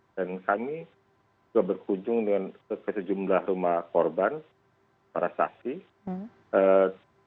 dan kami sudah berkunjung dengan sejumlah rumah korban para sakit